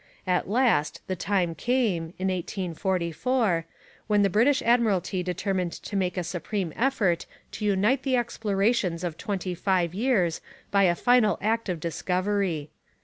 At last the time came, in 1844, when the British Admiralty determined to make a supreme effort to unite the explorations of twenty five years by a final act of discovery.